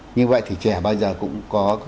như vậy thì trẻ bây giờ cũng có